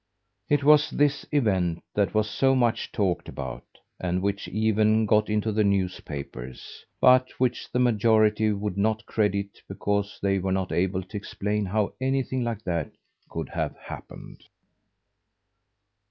It was this event that was so much talked about, and which even got into the newspapers, but which the majority would not credit because they were not able to explain how anything like that could have happened.